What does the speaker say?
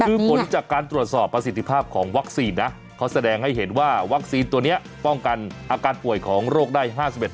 คือผลจากการตรวจสอบประสิทธิภาพของวัคซีนนะเขาแสดงให้เห็นว่าวัคซีนตัวนี้ป้องกันอาการป่วยของโรคได้๕๑